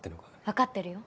分かってるよ